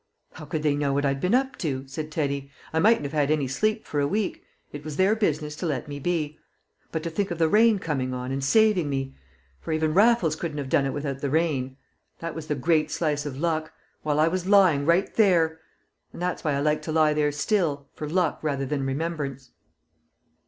"How could they know what I'd been up to?" said Teddy. "I mightn't have had any sleep for a week; it was their business to let me be. But to think of the rain coming on and saving me for even Raffles couldn't have done it without the rain. That was the great slice of luck while I was lying right there! And that's why I like to lie there still for luck rather than remembrance!"